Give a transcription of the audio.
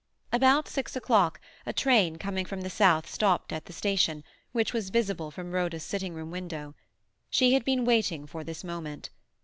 About six o'clock a train coming from the south stopped at the station, which was visible from Rhoda's sitting room window. She had been waiting for this moment.